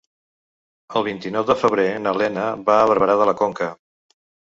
El vint-i-nou de febrer na Lena va a Barberà de la Conca.